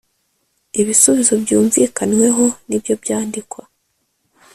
Ibisubizo byumvikanyweho ni byo byandikwa